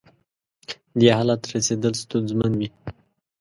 دې حالت رسېدل ستونزمن وي.